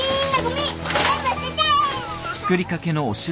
全部捨てちゃえ。